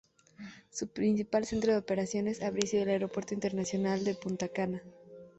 Su principal centro de operaciones habría sido el Aeropuerto Internacional de Punta Cana.